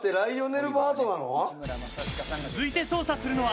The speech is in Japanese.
続いて捜査するのは。